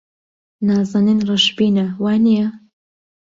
نازەنین ڕەشبینە، وانییە؟